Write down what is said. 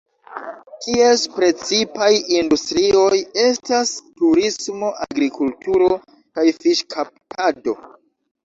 Ties precipaj industrioj estas turismo, agrikulturo, kaj fiŝkaptado.